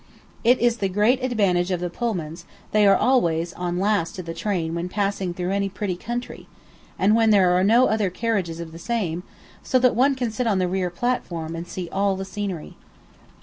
It is the great advantage of the Pullmans they are always on last to the train when passing through any pretty country, and when there are no other carriages of the same, so that one can sit on the rear platform and see all the scenery.